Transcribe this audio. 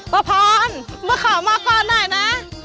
ป้าพรเมื่อขอมาก่อนหน่อยนะ